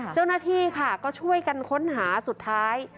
เจ้าหน้าที่ค่ะก็ช่วยกันค้นหาสุดท้าย